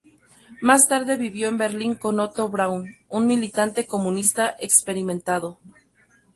Más tarde vivió en Berlín con Otto Braun, un militante comunista experimentado.